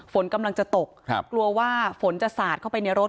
ฝนกำลังจะตกกลัวว่าฝนจะสาดเข้าไปในรถ